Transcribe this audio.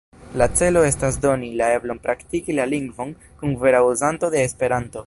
La celo estas doni la eblon praktiki la lingvon kun vera uzanto de Esperanto.